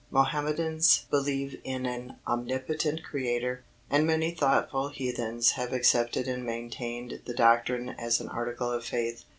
Mohammedans believe in an Omnipotent Creator, and many thoughtful heathens have accepted and maintained the doctrine as an article of faith.